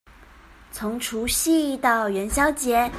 從除夕到元宵節